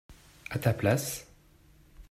à ta place.